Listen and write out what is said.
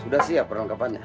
sudah siap perlengkapannya